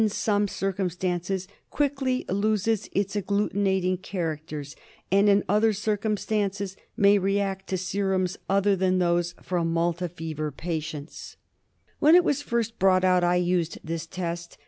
some circumstances quickly loses its agglutinating characters and in other circumstances may react to serums other than those from Malta fever patients. 172 DIAGNOSIS OF MEDITERRANEAN FEVER. When it was first brought out I used this test.